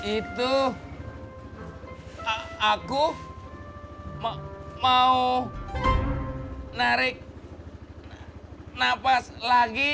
itu aku mau narik nafas lagi